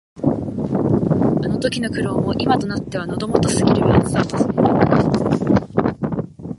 あの時の苦労も、今となっては「喉元過ぎれば熱さを忘れる」だね。